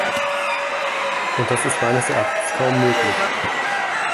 Und das ist meines Erachtens kaum möglich.